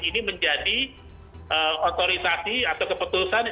ini menjadi otorisasi atau keputusan